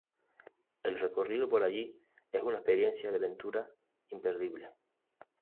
El recorrido por allí es una experiencia de aventura imperdible.